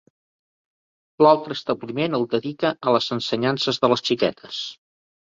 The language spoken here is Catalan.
L'altre establiment el dedica a les ensenyances de les xiquetes.